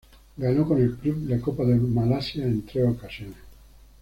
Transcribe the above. Ganó con el club la Copa de Malasia en tres ocasiones.